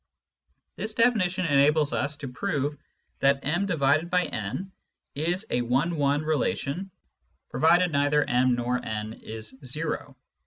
This definition enables us to prove that m/n is a one one relation, provided neither m or n is zero.